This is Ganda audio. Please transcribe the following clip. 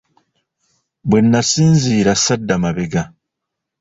Bwe nasinziira, sadda mabega.